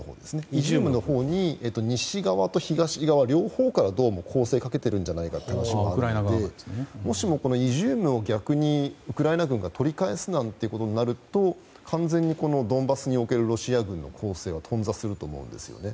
イジュームへ西側と東側、両方から攻勢をかけているんじゃないかという話があってもしもこのイジュームをウクライナ軍が取り返すということになると完全にドンバスにおけるロシア軍の攻勢は頓挫すると思うんですよね。